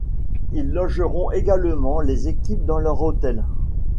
Ils logeront également les équipes dans leurs hôtels.